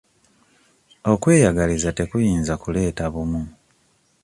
Okweyagaliza tekuyinza kuleeta bumu.